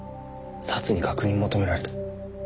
サツに確認求められた。